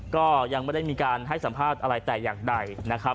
ก็ยังไม่ได้มีการให้สัมภาษณ์อะไรแต่อย่างใดนะครับ